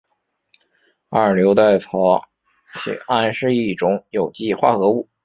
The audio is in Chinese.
二硫代草酰胺是一种有机化合物。